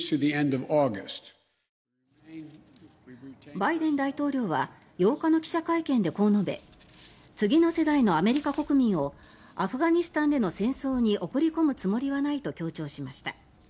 バイデン大統領は８日の記者会見でこう述べ次の世代のアメリカ国民をアフガニスタンでの戦争に送り込むつもりはないと強調しました。